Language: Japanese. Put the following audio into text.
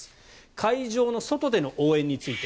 会場の外での応援について。